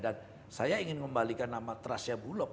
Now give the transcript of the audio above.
dan saya ingin kembalikan nama terasnya bulog